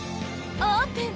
オープン！